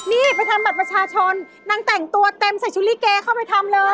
นี่ไปทำบัตรประชาชนนางแต่งตัวเต็มใส่ชุดลิเกเข้าไปทำเลย